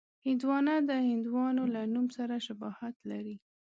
هندوانه د هندوانو له نوم سره شباهت لري.